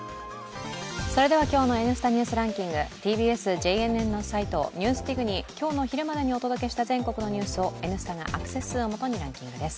それでは今日の「Ｎスタ・ニュースランキング」ＴＢＳ・ＪＮＮのサイト「ＮＥＷＳＤＩＧ」に今日の昼までにお届けした全国のニュースを「Ｎスタ」がアクセス数を基にランキングです。